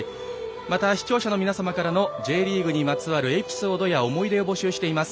また、視聴者の皆様からのＪリーグにまつわるエピソードや思い出を募集しています。